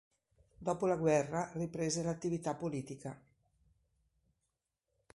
Dopo la guerra riprese l'attività politica.